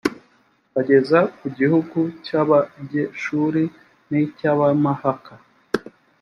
ageza ku gihugu cy’abageshuri n’icy’abamahaka